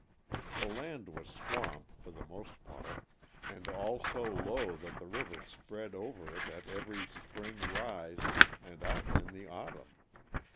The land was swamp, for the most part, and all so low that the river spread over it at every spring "rise" and often in the autumn.